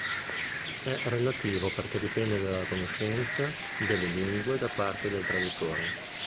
È relativo perché dipende dalla conoscenza delle lingue da parte del traduttore.